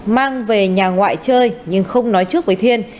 mang về nhà ngoại chơi nhưng không nói trước với thiên